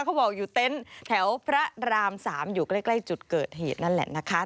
เขาบอกอยู่เต็นต์แถวพระราม๓อยู่ใกล้จุดเกิดเหตุนั่นแหละนะคะ